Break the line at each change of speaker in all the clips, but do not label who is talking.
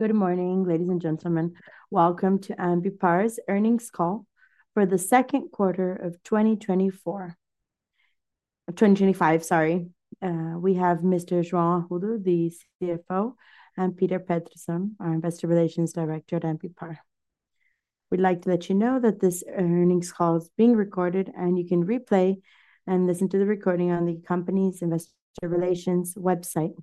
Good morning, ladies and gentlemen. Welcome to Ambipar's Earnings Call for the Second Quarter of 2024. 2025, sorry. We have Mr. Joao Arruda, the CFO, and Pedro Petersen, our Investor Relations Director at Ambipar. We'd like to let you know that this earnings call is being recorded, and you can replay and listen to the recording on the company's investor relations website.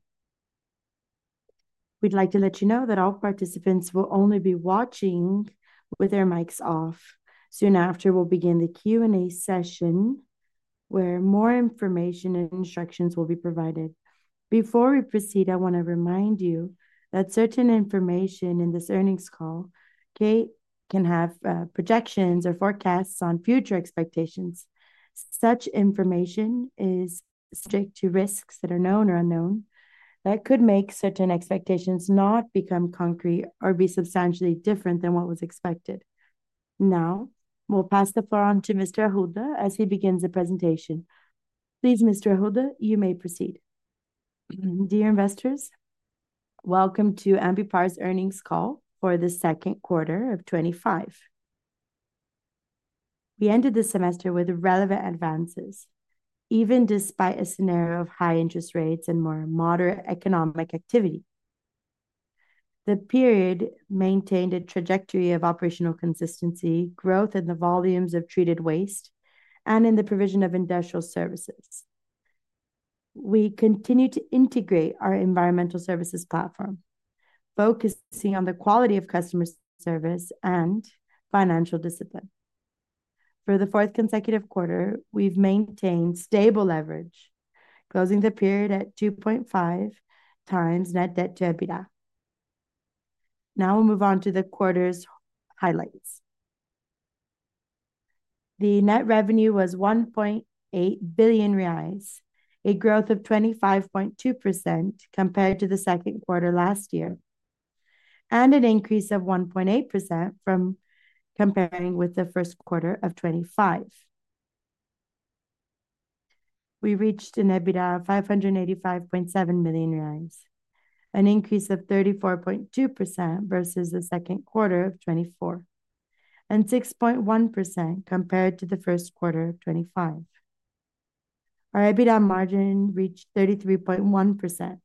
We'd like to let you know that all participants will only be watching with their mics off. Soon after, we'll begin the Q&A session where more information and instructions will be provided. Before we proceed, I want to remind you that certain information in this earnings call can have projections or forecasts on future expectations. Such information is subject to risks that are known or unknown that could make certain expectations not become concrete or be substantially different than what was expected. Now, we'll pass the floor on to Mr. Arruda as he begins the presentation. Please, Mr. Arruda, you may proceed.
Dear investors, welcome to Ambipar's Earnings Call for the Second Quarter of 2025. We ended the semester with relevant advances, even despite a scenario of high interest rates and more moderate economic activity. The period maintained a trajectory of operational consistency, growth in the volumes of treated waste, and in the provision of industrial services. We continue to integrate our environmental services platform, focusing on the quality of customer service and financial discipline. For the fourth consecutive quarter, we've maintained stable leverage, closing the period at 2.5x net debt to EBITDA. Now we'll move on to the quarter's highlights. The net revenue was 1.8 billion reais, a growth of 25.2% compared to the second quarter last year, and an increase of 1.8% compared with the first quarter of 2025. We reached an EBITDA of 585.7 million reais, an increase of 34.2% versus the second quarter of 2024, and 6.1% compared to the first quarter of 2025. Our EBITDA margin reached 33.1%,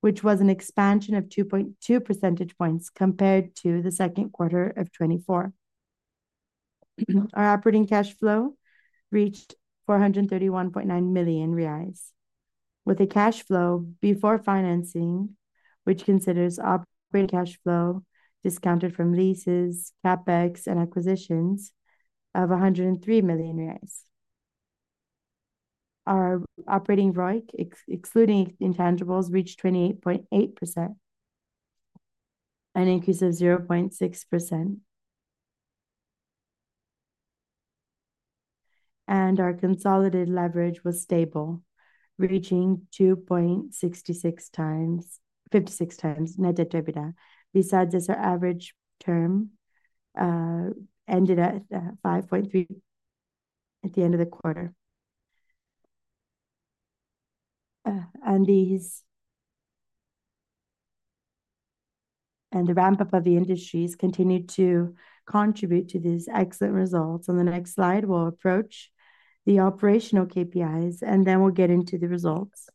which was an expansion of 2.2 percentage points compared to the second quarter of 2024. Our operating cash flow reached 431.9 million reais, with a cash flow before financing, which considers operating cash flow discounted from leases, CapEx, and acquisitions, of 103 million reais. Our operating ROIC, excluding intangibles, reached 28.8%, an increase of 0.6%. Our consolidated leverage was stable, reaching 2.66x net debt to EBITDA. Besides this, our average term ended at 5.3x at the end of the quarter. The ramp-up of the industries continued to contribute to these excellent results. On the next slide, we'll approach the operational KPIs, and then we'll get into the results.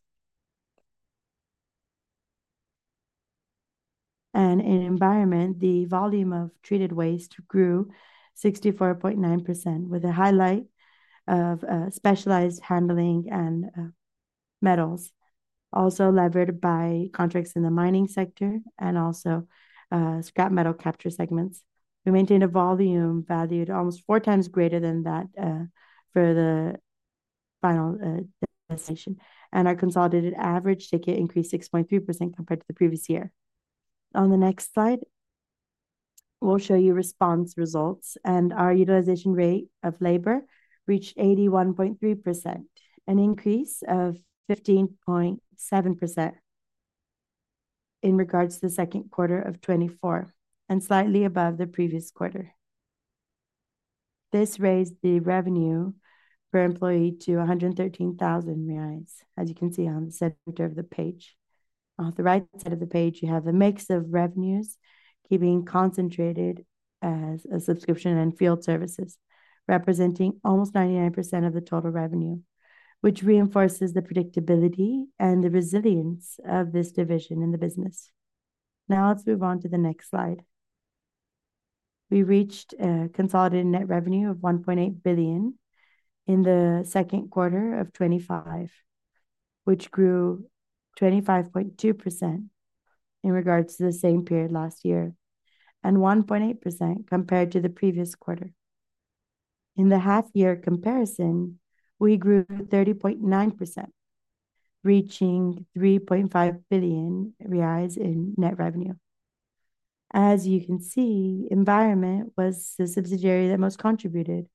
In the environment, the volume of treated waste grew 64.9%, with a highlight of specialized handling and metals, also levered by contracts in the mining sector and also scrap metal capture segments. We maintained a volume valued almost 4x greater than that for the final estimation. Our consolidated average ticket increased 6.3% compared to the previous year. On the next slide, we'll show you response results. Our utilization rate of labor reached 81.3%, an increase of 15.7% in regards to the second quarter of 2024 and slightly above the previous quarter. This raised the revenue per employee to 113,000 reais, as you can see on the center of the page. On the right side of the page, you have a mix of revenues keeping concentrated as a subscription and field services, representing almost 99% of the total revenue, which reinforces the predictability and the resilience of this division in the business. Now let's move on to the next slide. We reached a consolidated net revenue of 1.8 billion in the second quarter of 2025, which grew 25.2% in regards to the same period last year, and 1.8% compared to the previous quarter. In the half-year comparison, we grew 30.9%, reaching 3.5 billion reais in net revenue. As you can see, the environment was the subsidiary that most contributed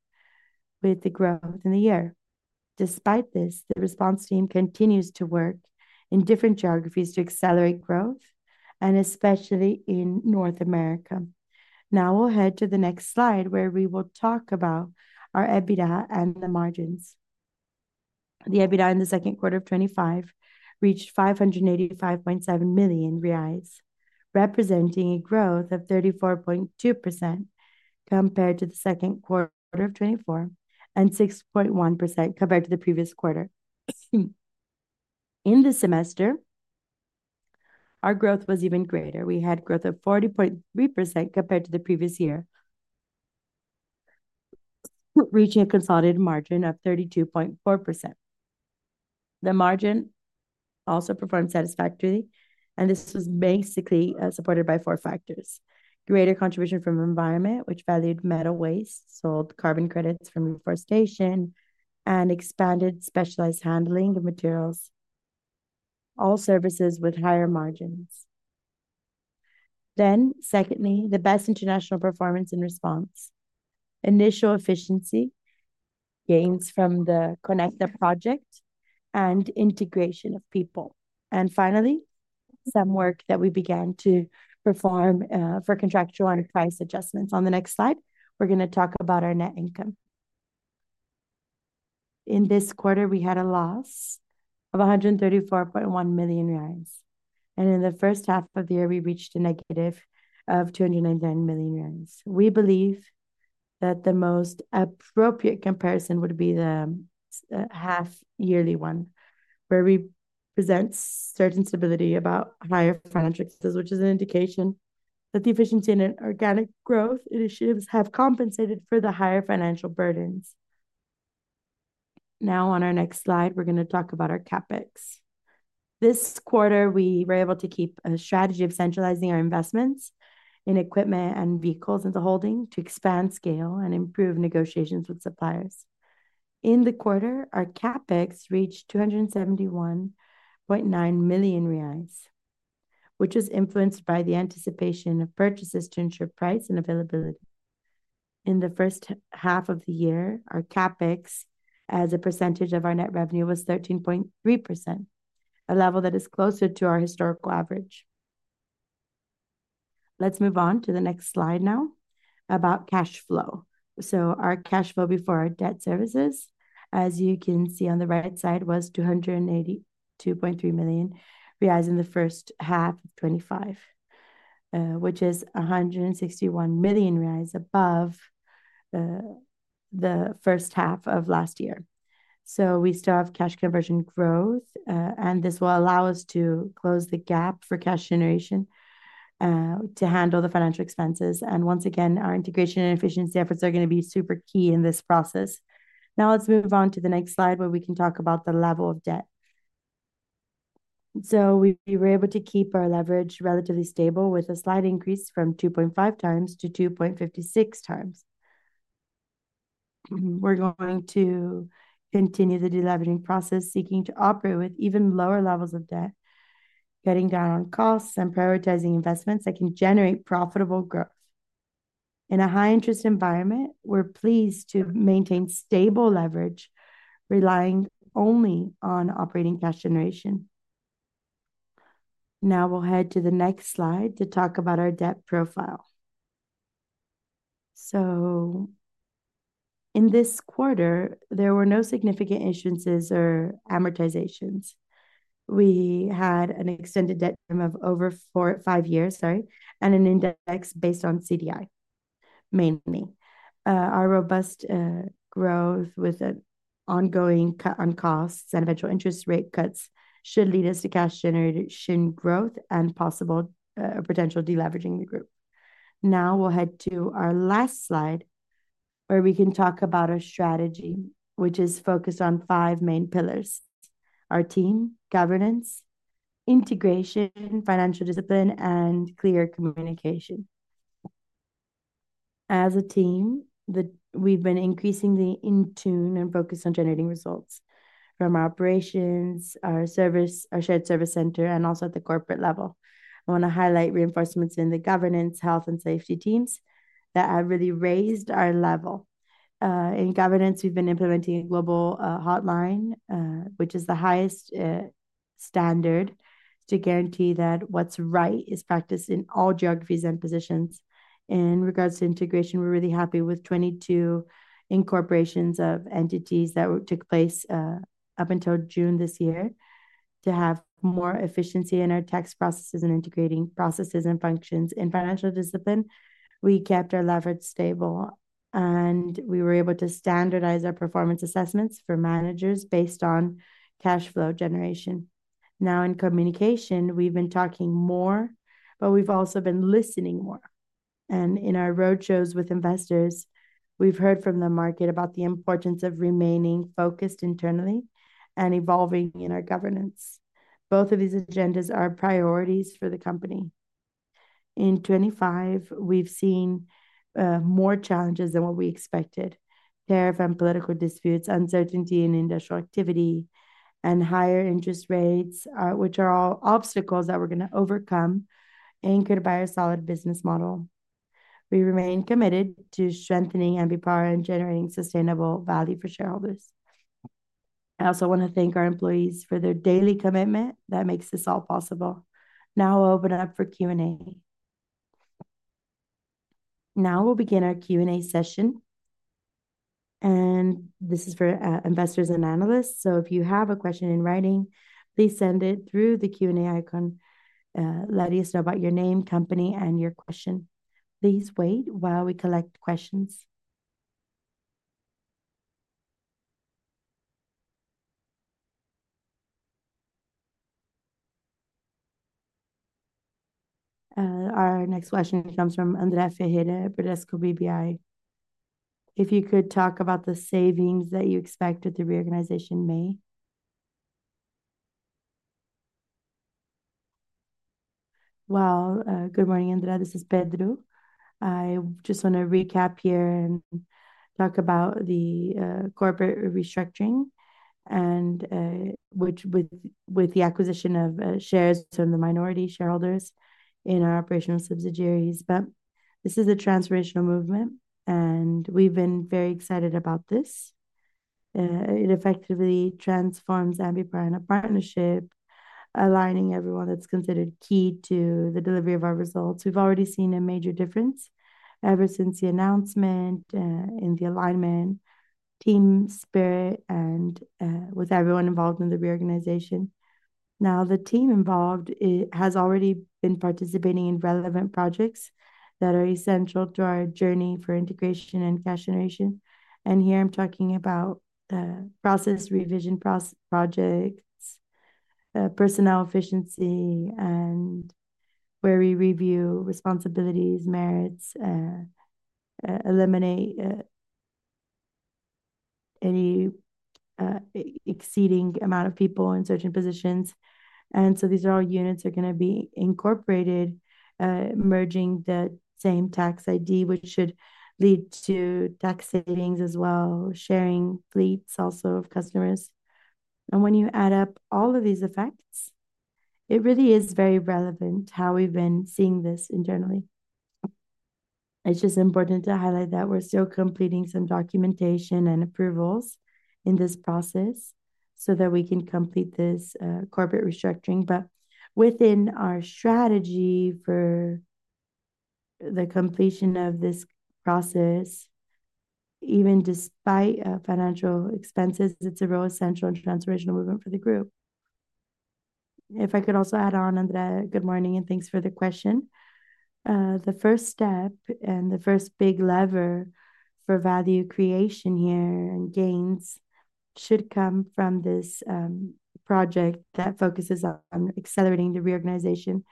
with the growth in the year. Despite this, the response team continues to work in different geographies to accelerate growth, especially in North America. Now we'll head to the next slide where we will talk about our EBITDA and the margins. The EBITDA in the second quarter of 2025 reached 585.7 million reais, representing a growth of 34.2% compared to the second quarter of 2024 and 6.1% compared to the previous quarter. In the semester, our growth was even greater. We had growth of 40.3% compared to the previous year, reaching a consolidated margin of 32.4%. The margin also performed satisfactorily, and this was basically supported by four factors: greater contribution from the environment, which valued metal waste, sold carbon credits from reforestation, and expanded specialized handling of materials, all services with higher margins. Secondly, the best international performance and response, initial efficiency, gains from the Conecta Project, and integration of people. Finally, some work that we began to perform for contractual and price adjustments. On the next slide, we're going to talk about our net income. In this quarter, we had a loss of BRL 134.1 million, and in the first half of the year, we reached a negative of BRL 299 million. We believe that the most appropriate comparison would be the half-yearly one, where we present certain stability about higher financial expenses, which is an indication that the efficiency and organic growth initiatives have compensated for the higher financial burdens. Now, on our next slide, we're going to talk about our CapEx. This quarter, we were able to keep a strategy of centralizing our investments in equipment and vehicles in the holding to expand scale and improve negotiations with suppliers. In the quarter, our CapEx reached 271.9 million reais, which was influenced by the anticipation of purchases to ensure price and availability. In the first half of the year, our CapEx as a percentage of our net revenue was 13.3%, a level that is closer to our historical average. Let's move on to the next slide now about cash flow. Our cash flow before our debt services, as you can see on the right side, was 282.3 million reais in the first half of 2025, which is 161 million reais above the first half of last year. We still have cash conversion growth, and this will allow us to close the gap for cash generation to handle the financial expenses. Once again, our integration and efficiency efforts are going to be super key in this process. Now let's move on to the next slide where we can talk about the level of debt. We were able to keep our leverage relatively stable with a slight increase from 2.5x-2.56x. We're going to continue the deleveraging process, seeking to operate with even lower levels of debt, cutting down on costs, and prioritizing investments that can generate profitable growth. In a high-interest environment, we're pleased to maintain stable leverage, relying only on operating cash generation. Now we'll head to the next slide to talk about our debt profile. In this quarter, there were no significant issuances or amortizations. We had an extended debt term of over four, five years, sorry, and an index based on CDI mainly. Our robust growth with an ongoing cut on costs and eventual interest rate cuts should lead us to cash generation growth and possible potential deleveraging the group. Now we'll head to our last slide where we can talk about our strategy, which is focused on five main pillars: our team, governance, integration, financial discipline, and clear communication. As a team, we've been increasingly in tune and focused on generating results from our operations, our service, our shared service center, and also at the corporate level. I want to highlight reinforcements in the governance, health, and safety teams that have really raised our level. In governance, we've been implementing a global hotline, which is the highest standard to guarantee that what's right is practiced in all geographies and positions. In regards to integration, we're really happy with 22 incorporations of entities that took place up until June this year to have more efficiency in our tax processes and integrating processes and functions. In financial discipline, we kept our leverage stable, and we were able to standardize our performance assessments for managers based on cash flow generation. In communication, we've been talking more, but we've also been listening more. In our roadshows with investors, we've heard from the market about the importance of remaining focused internally and evolving in our governance. Both of these agendas are priorities for the company. In 2025, we've seen more challenges than what we expected: tariff and political disputes, uncertainty in industrial activity, and higher interest rates, which are all obstacles that we're going to overcome, anchored by our solid business model. We remain committed to strengthening Ambipar and generating sustainable value for shareholders. I also want to thank our employees for their daily commitment that makes this all possible. Now we'll open it up for Q&A. We'll begin our Q&A session. This is for investors and analysts. If you have a question in writing, please send it through the Q&A icon. Let us know about your name, company, and your question. Please wait while we collect questions.
Our next question comes from Andre Ferreira, Bradesco BBI.
If you could talk about the savings that you expect with the reorganization in May?
Good morning, Andre. This is Pedro. I just want to recap here and talk about the corporate restructuring with the acquisition of shares from the minority shareholders in our operational subsidiaries. This is a transformational movement, and we've been very excited about this. It effectively transforms Ambipar in a partnership, aligning everyone that's considered key to the delivery of our results. We've already seen a major difference ever since the announcement in the alignment, team spirit, and with everyone involved in the reorganization. The team involved has already been participating in relevant projects that are essential to our journey for integration and cash generation. Here I'm talking about process revision projects, personnel efficiency, and where we review responsibilities, merits, and eliminate any exceeding amount of people in certain positions. These are all units that are going to be incorporated, merging the same tax ID, which should lead to tax savings as well, sharing fleets also of customers. When you add up all of these effects, it really is very relevant how we've been seeing this internally. It's just important to highlight that we're still completing some documentation and approvals in this process so that we can complete this corporate restructuring. Within our strategy for the completion of this process, even despite financial expenses, it's a real essential and transformational movement for the group.
If I could also add on, Andre, good morning and thanks for the question. The first step and the first big lever for value creation here and gains should come from this project that focuses on accelerating the reorganization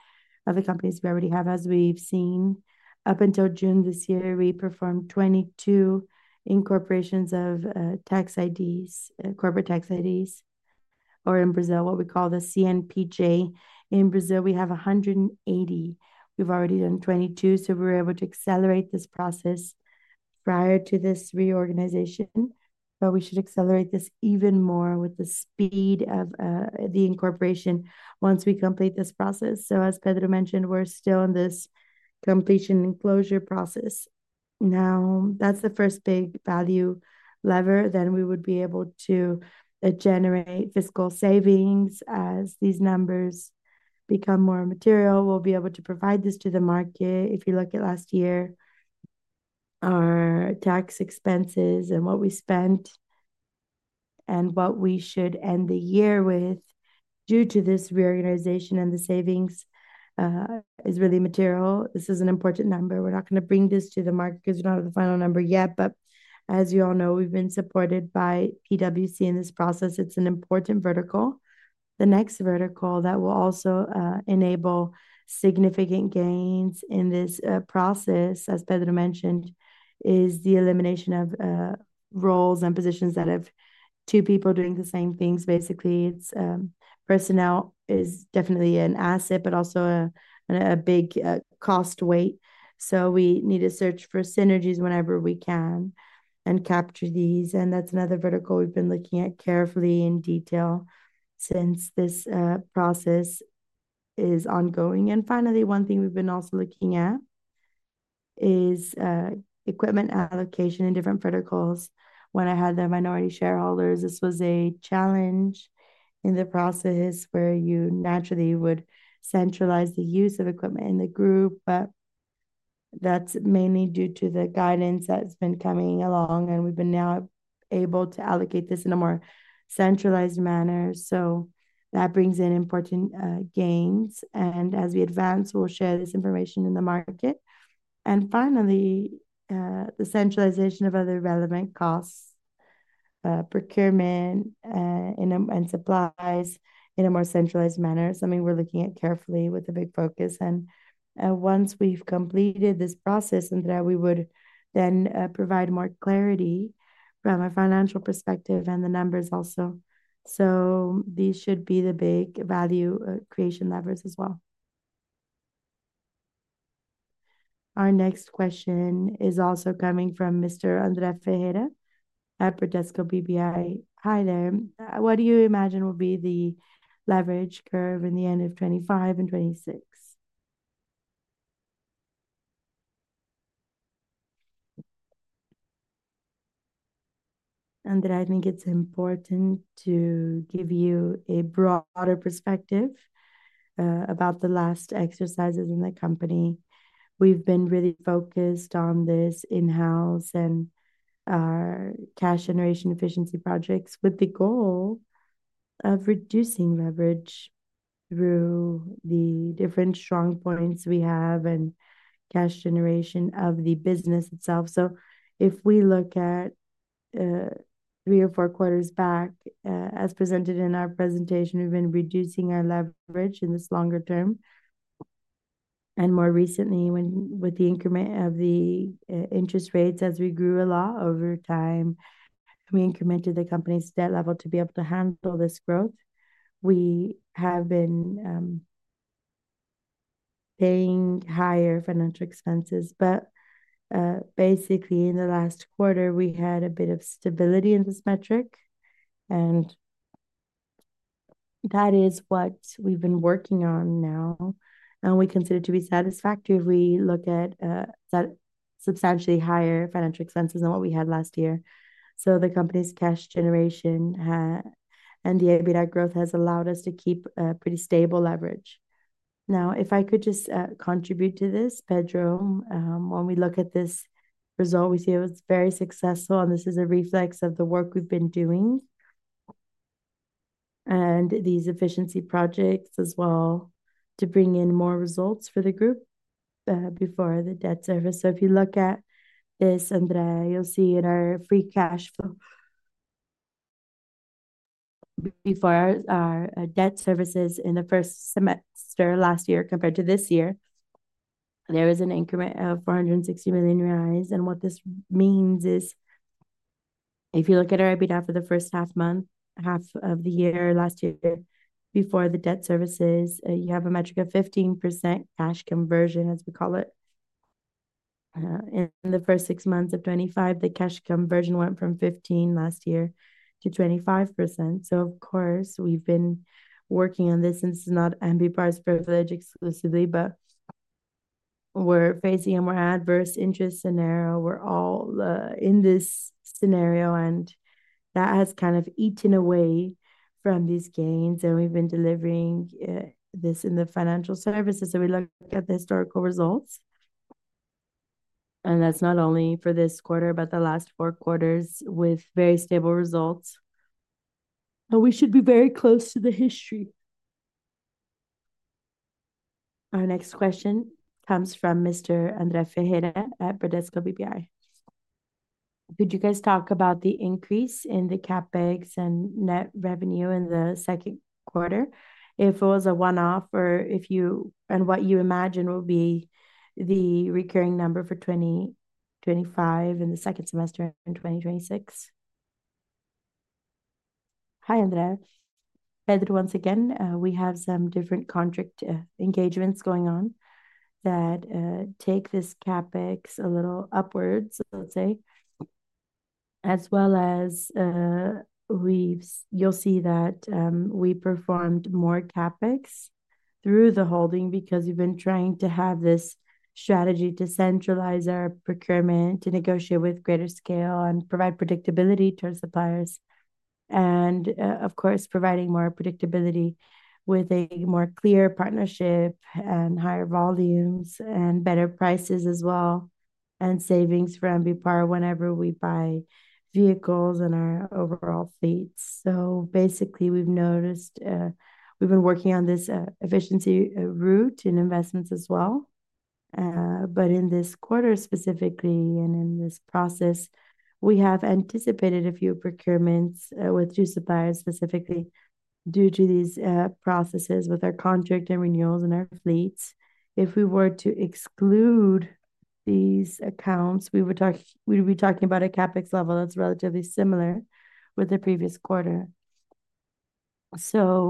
of the companies we already have. As we've seen, up until June this year, we performed 22 incorporations of tax IDs, corporate tax IDs, or in Brazil, what we call the CNPJ. In Brazil, we have 180. We've already done 22, so we were able to accelerate this process prior to this reorganization, but we should accelerate this even more with the speed of the incorporation once we complete this process. As Pedro mentioned, we're still in this completion and closure process. That's the first big value lever. Then we would be able to generate fiscal savings. As these numbers become more material, we'll be able to provide this to the market. If you look at last year, our tax expenses and what we spent and what we should end the year with due to this reorganization and the savings is really material. This is an important number. We're not going to bring this to the market because we don't have the final number yet. As you all know, we've been supported by PwC in this process. It's an important vertical. The next vertical that will also enable significant gains in this process, as Pedro mentioned, is the elimination of roles and positions that have two people doing the same things. Basically, personnel is definitely an asset, but also a big cost weight. We need to search for synergies whenever we can and capture these. That's another vertical we've been looking at carefully in detail since this process is ongoing. Finally, one thing we've been also looking at is equipment allocation in different verticals. When I had the minority shareholders, this was a challenge in the process where you naturally would centralize the use of equipment in the group, but that's mainly due to the guidance that's been coming along. We've been now able to allocate this in a more centralized manner. That brings in important gains. As we advance, we'll share this information in the market. Finally, the centralization of other relevant costs, procurement, and supplies in a more centralized manner is something we're looking at carefully with a big focus. Once we've completed this process, we would then provide more clarity from a financial perspective and the numbers also. These should be the big value creation levers as well.
Our next question is also coming from Mr. Andre Ferreira at Bradesco BBI.
Hi there. What do you imagine will be the leverage curve in the end of 2025 and 2026?
Andrea, I think it's important to give you a broader perspective about the last exercises in the company. We've been really focused on this in-house and our cash generation efficiency projects with the goal of reducing leverage through the different strong points we have and cash generation of the business itself. If we look at three or four quarters back, as presented in our presentation, we've been reducing our leverage in this longer term. More recently, with the increment of the interest rates, as we grew a lot over time, we incremented the company's debt level to be able to handle this growth. We have been paying higher financial expenses. Basically, in the last quarter, we had a bit of stability in this metric. That is what we've been working on now. We consider it to be satisfactory if we look at substantially higher financial expenses than what we had last year. The company's cash generation and the EBITDA growth has allowed us to keep a pretty stable leverage.
If I could just contribute to this, Pedro, when we look at this result, we see it was very successful, and this is a reflex of the work we've been doing and these efficiency projects as well to bring in more results for the group before the debt service. If you look at this, Andrea, you'll see in our free cash flow before our debt services in the first semester last year compared to this year, there is an increment of 460 million reais. What this means is if you look at our EBITDA for the first half of the year last year, before the debt services, you have a metric of 15% cash conversion, as we call it. In the first six months of 2025, the cash conversion went from 15% last year to 25%. Of course, we've been working on this, and this is not Ambipar's privilege exclusively, but we're facing a more adverse interest scenario. We're all in this scenario, and that has kind of eaten away from these gains. We've been delivering this in the financial services. We look at the historical results, and that's not only for this quarter, but the last four quarters with very stable results. We should be very close to the history.
Our next question comes from Mr. Andre Ferreira at Bradesco BBI.
Could you guys talk about the increase in the CapEx and net revenue in the second quarter if it was a one-off or if you and what you imagine will be the recurring number for 2025 in the second semester in 2026?
Hi, Andre. Pedro once again. We have some different contract engagements going on that take this CapEx a little upwards, let's say. As well as we've, you'll see that we performed more CapEx through the holding because we've been trying to have this strategy to centralize our procurement, to negotiate with greater scale, and provide predictability to our suppliers. Of course, providing more predictability with a more clear partnership and higher volumes and better prices as well and savings for Ambipar whenever we buy vehicles and our overall fleets. Basically, we've noticed we've been working on this efficiency route in investments as well. In this quarter specifically and in this process, we have anticipated a few procurements with two suppliers specifically due to these processes with our contract and renewals and our fleets. If we were to exclude these accounts, we would be talking about a CapEx level that's relatively similar with the previous quarter.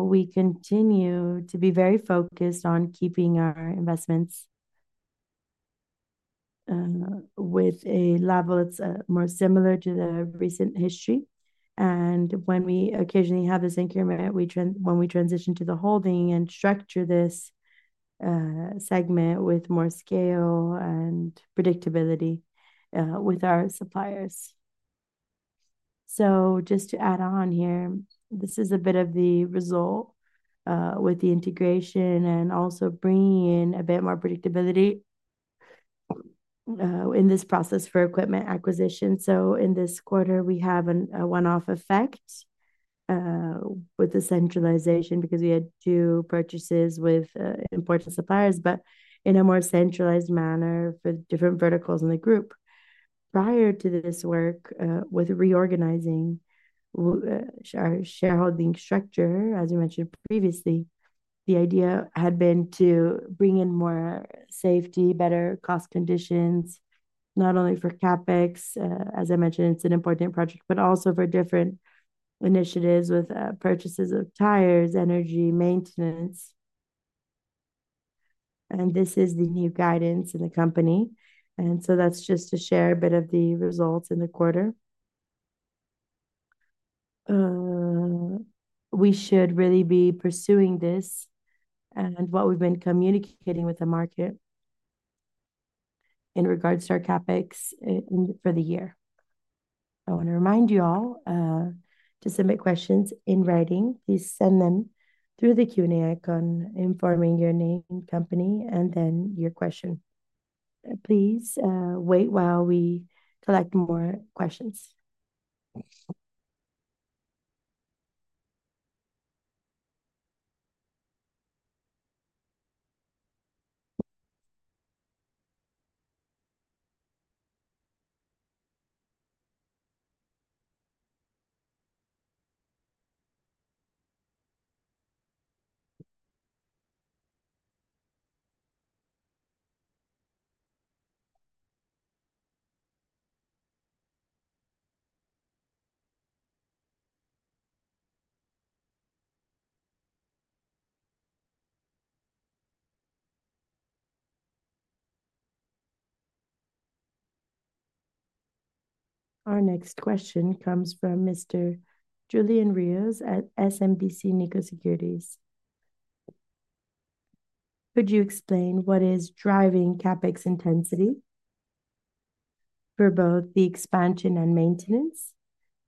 We continue to be very focused on keeping our investments with a level that's more similar to the recent history. When we occasionally have this increment, we transition to the holding and structure this segment with more scale and predictability with our suppliers.
Just to add on here, this is a bit of the result with the integration and also bringing in a bit more predictability in this process for equipment acquisition. In this quarter, we have a one-off effect with the centralization because we had two purchases with important suppliers, but in a more centralized manner for different verticals in the group. Prior to this work with reorganizing our shareholding structure, as I mentioned previously, the idea had been to bring in more safety, better cost conditions, not only for CapEx, as I mentioned, it's an important project, but also for different initiatives with purchases of tires, energy, maintenance. This is the new guidance in the company. That's just to share a bit of the results in the quarter. We should really be pursuing this and what we've been communicating with the market in regards to our CapEx for the year.
I want to remind you all to submit questions in writing. Please send them through the Q&A icon, informing your name and company, and then your question. Please wait while we collect more questions. Our next question comes from Mr. Julian Rios at SMBC Nikko Securities.
Could you explain what is driving CapEx intensity for both the expansion and maintenance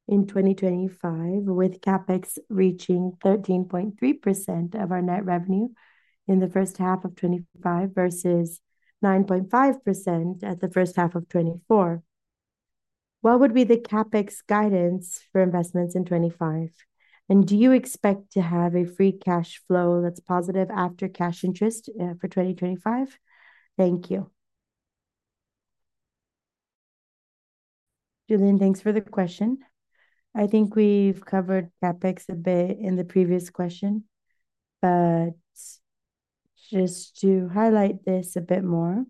in 2025, with CapEx reaching 13.3% of our net revenue in the first half of 2025 versus 9.5% at the first half of 2024? What would be the CapEx guidance for investments in 2025? Do you expect to have a free cash flow that's positive after cash interest for 2025?
Thank you. Julian, thanks for the question. I think we've covered CapEx a bit in the previous question, but just to highlight this a bit more,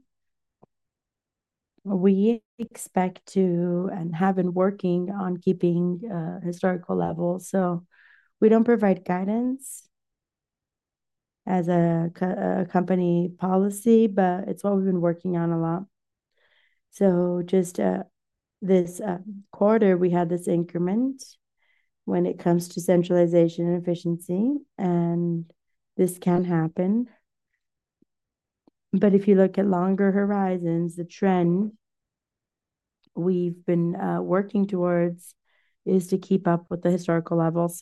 we expect to and have been working on keeping historical levels. We don't provide guidance as a company policy, but it's what we've been working on a lot. Just this quarter, we had this increment when it comes to centralization and efficiency, and this can happen. If you look at longer horizons, the trend we've been working towards is to keep up with the historical level.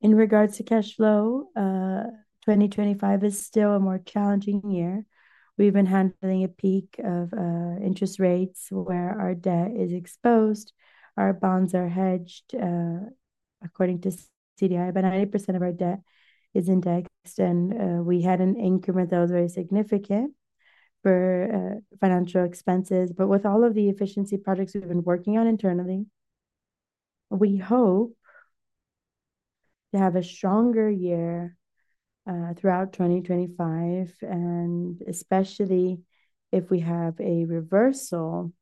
In regards to cash flow, 2025 is still a more challenging year. We've been handling a peak of interest rates where our debt is exposed. Our bonds are hedged according to CDI, but 90% of our debt is index. We had an increment that was very significant for financial expenses. With all of the efficiency projects we've been working on internally, we hope to have a stronger year throughout 2025, especially if we have a reversal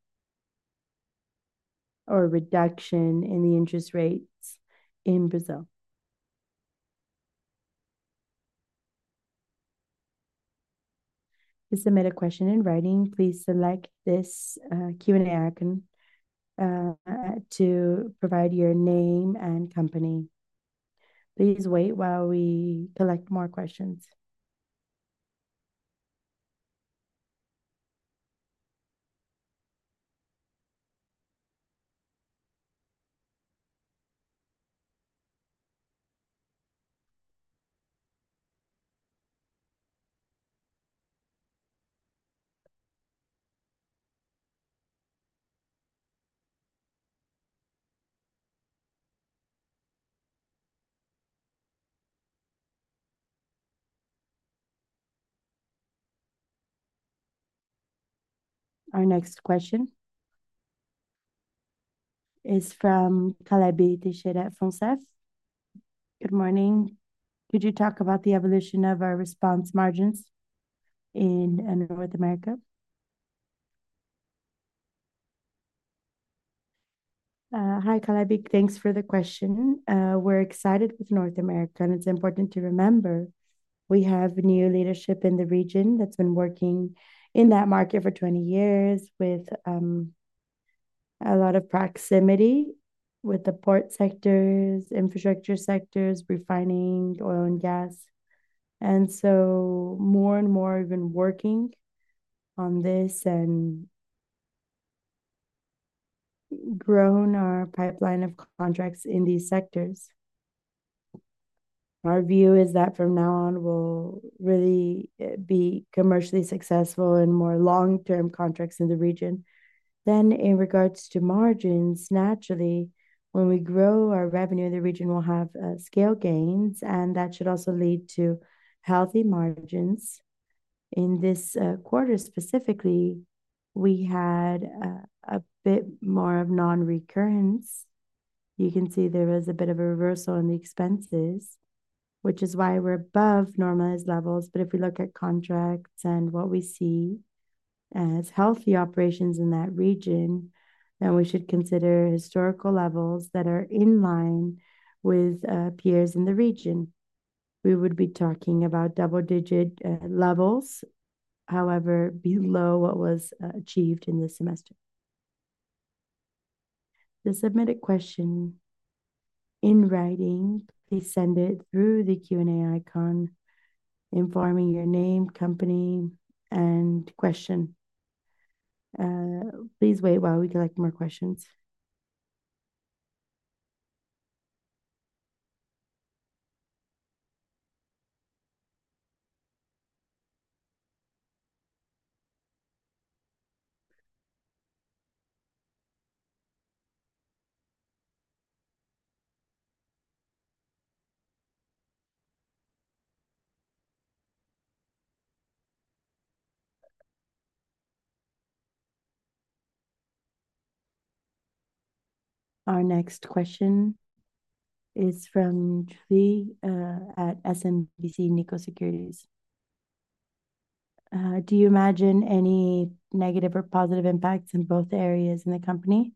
or reduction in the interest rates in Brazil.
To submit a question in writing, please select this Q&A icon to provide your name and company. Please wait while we collect more questions. Our next question is from (Kalebe Teixeira Fonseca). Good morning. Could you talk about the evolution of our response margins in North America?
Hi, (Kalabic). Thanks for the question. We're excited with North America, and it's important to remember we have new leadership in the region that's been working in that market for 20 years with a lot of proximity with the port sectors, infrastructure sectors, refining oil and gas. More and more, we've been working on this and grown our pipeline of contracts in these sectors. Our view is that from now on, we'll really be commercially successful in more long-term contracts in the region. In regards to margins, naturally, when we grow our revenue in the region, we'll have scale gains, and that should also lead to healthy margins. In this quarter specifically, we had a bit more of non-recurrence. You can see there was a bit of a reversal in the expenses, which is why we're above normalized levels. If we look at contracts and what we see as healthy operations in that region, then we should consider historical levels that are in line with peers in the region. We would be talking about double-digit levels, however, below what was achieved in this semester.
The submitted question in writing, please send it through the Q&A icon, informing your name, company, and question. Please wait while we collect more questions. Our next question is from Julian Rios at SMBC Nikko Securities.
Do you imagine any negative or positive impacts in both areas in the company?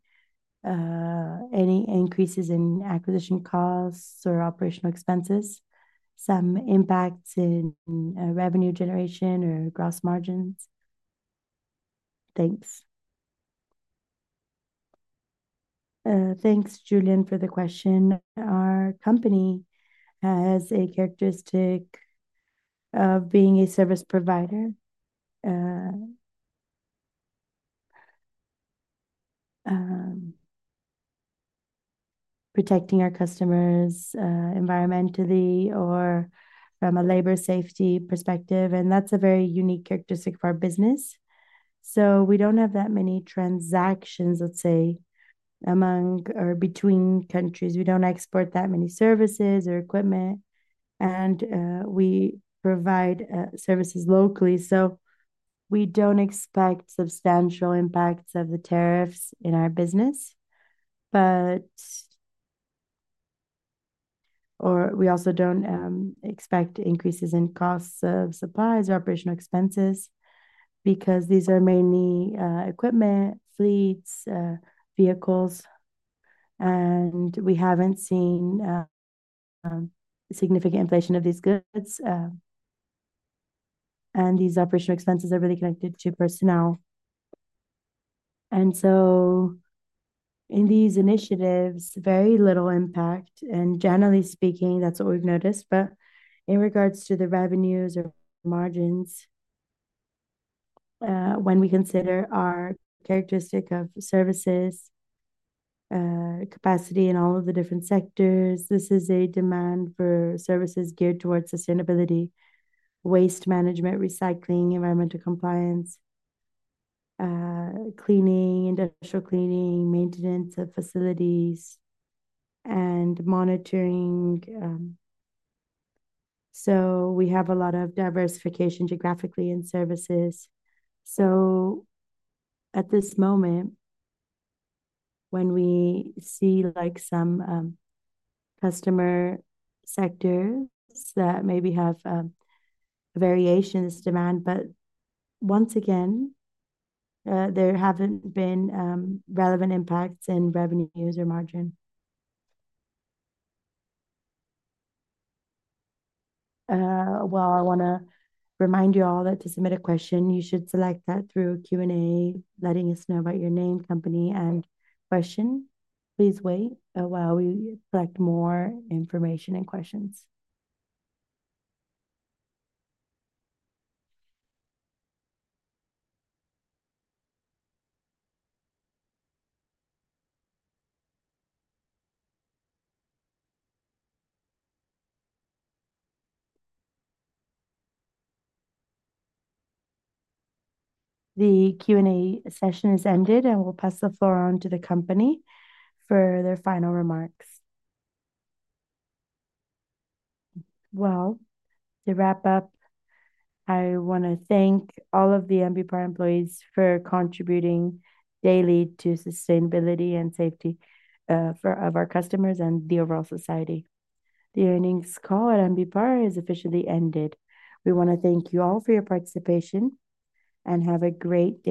Any increases in acquisition costs or operational expenses? Some impacts in revenue generation or gross margins? Thanks.
Thanks, Julian, for the question. Our company has a characteristic of being a service provider, protecting our customers environmentally or from a labor safety perspective. That's a very unique characteristic for our business. We don't have that many transactions, let's say, among or between countries. We don't export that many services or equipment, and we provide services locally. We don't expect substantial impacts of the tariffs in our business. We also don't expect increases in costs of supplies or operational expenses because these are mainly equipment, fleets, vehicles. We haven't seen significant inflation of these goods. These operational expenses are really connected to personnel. In these initiatives, very little impact. Generally speaking, that's what we've noticed. In regards to the revenues or margins, when we consider our characteristic of services, capacity, and all of the different sectors, this is a demand for services geared towards sustainability, waste management, recycling, environmental compliance, cleaning, industrial cleaning, maintenance of facilities, and monitoring. We have a lot of diversification geographically in services. At this moment, we see some customer sectors that maybe have variations in demand, but once again, there haven't been relevant impacts in revenues or margin.
To submit a question, you should select that through a Q&A, letting us know about your name, company, and question. Please wait while we collect more information and questions. The Q&A session has ended, and we'll pass the floor on to the company for their final remarks.
To wrap up, I want to thank all of the Ambipar employees for contributing daily to sustainability and safety of our customers and the overall society. The earnings call at Ambipar has officially ended. We want to thank you all for your participation and have a great day.